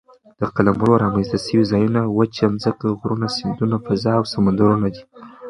د قلمرو رامنځ ته سوي ځایونه وچه مځکه، غرونه، سیندونه، فضاء او سمندرونه دي.